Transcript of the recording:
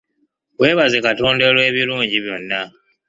Weebaze Katonda olw'ebirungi byonna .